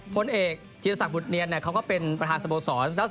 ผู้นเอกจิดเศรษฐกฺุธเนียนก็เป็นประธานสมสร์ศ